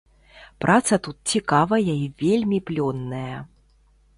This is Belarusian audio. Праца тут цікавая і вельмі плённая.